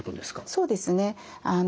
そうですね。